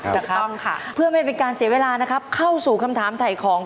ถูกต้องค่ะเพื่อไม่เป็นการเสียเวลานะครับเข้าสู่คำถามถ่ายของ